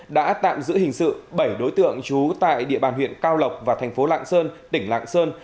đã tạm giữ hình sự bảy đối tượng trú tại địa bàn huyện cao lộc và thành phố lạng sơn tỉnh lạng sơn